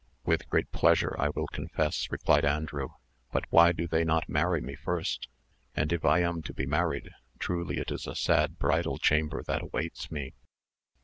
"With great pleasure I will confess," replied Andrew; "but why do they not marry me first? And if I am to be married, truly it is a sad bridal chamber that awaits me."